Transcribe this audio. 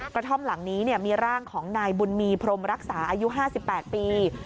กระท่อมหลังนี้มีร่างของนายบุญมีพรมรักษาอายุ๕๘ปี